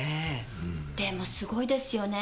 でもすごいですよね。